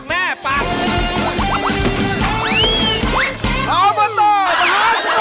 ออเมอร์โต้มหาสมอง